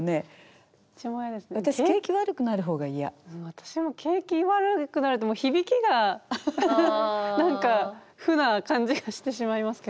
私も景気悪くなるってもう響きが何か負な感じがしてしまいますけど。